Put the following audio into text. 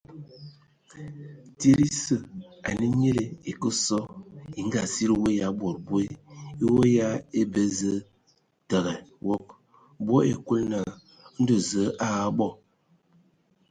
Tsid esǝ, ane nyili e kǝ sɔ, e Ngaa- sili fwe ya bod boe; e fwe ya abə zəə tǝgǝ wog. Bɔ ai Kulu naa : Ndɔ Zǝə a abɔ.